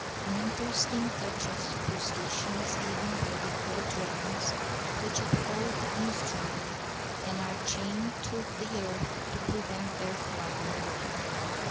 An interesting touch of superstition is given by the four dragons which uphold the instrument and are chained to the earth to prevent their flying away.